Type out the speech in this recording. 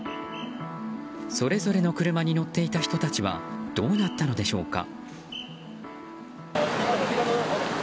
それぞれの車に乗っていた人たちはどうなったのでしょうか。